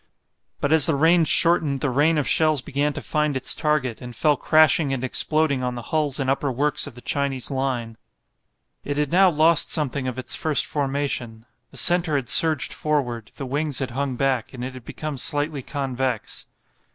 But as the range shortened the rain of shells began to find its target, and fell crashing and exploding on the hulls and upper works of the Chinese line. It had now lost something of its first formation. The centre had surged forward, the wings had hung back, and it had become slightly convex.